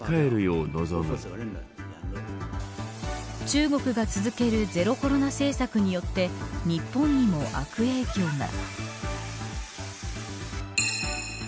中国が続けるゼロコロナ政策によって日本にも悪影響が。